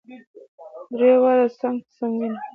درې واړه څنګ په څنګ وینو.